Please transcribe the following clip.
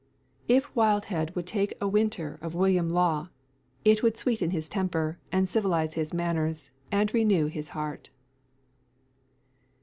If Wildhead would take a winter of William Law, it would sweeten his temper, and civilise his manners, and renew his heart.